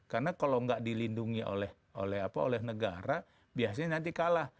karena kalau nggak dilindungi oleh negara biasanya nanti kalah